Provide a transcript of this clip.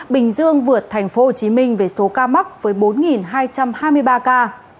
bình dương vượt tp hcm về số ca mắc với bốn hai trăm hai mươi ba ca